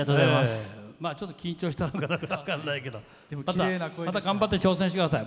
ちょっと緊張したのか分からないけどまた頑張って挑戦してください。